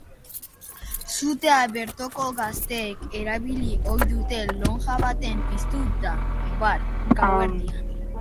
Sutea bertoko gazteek erabili ohi duten lonja batean piztu da, bart gauerdian.